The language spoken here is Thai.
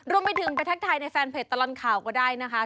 รวมไปถึงไปทักทายในแฟนเพจตลอดข่าวก็ได้นะคะ